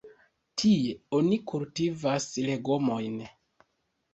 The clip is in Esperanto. Tie oni kultivas legomojn.